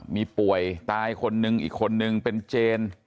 มีป่วยตายคนนึงอีกคนนึงเป็นเจน